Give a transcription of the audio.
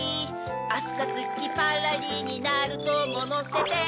あさつきパラリにナルトものせて